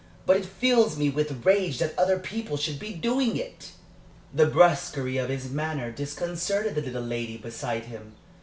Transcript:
But it fills me with rage that other people should be doing it." The brusquerie of his manner disconcerted the little lady beside him.